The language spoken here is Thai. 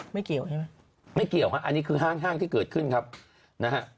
ไม่เกี่ยวใช่ไหมไม่เกี่ยวฮะอันนี้คือห้างห้างที่เกิดขึ้นครับนะฮะ